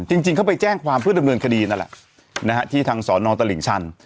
จริงเขาไปแจ้งความเพื่อดำเนินคดีนั่นแหละนะฮะที่ทางสอนอตลิ่งชัน